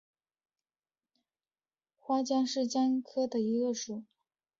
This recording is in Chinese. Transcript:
喙花姜属是姜科下的一个属。